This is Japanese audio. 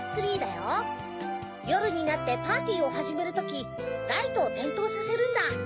よるになってパーティーをはじめるときライトをてんとうさせるんだ。